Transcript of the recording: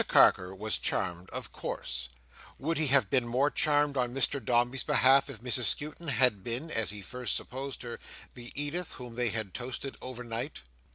Mr Carker was charmed, of course. Would he have been more charmed on Mr Dombey's behalf, if Mrs Skewton had been (as he at first supposed her) the Edith whom they had toasted overnight?